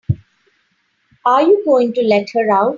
Are you going to let her out?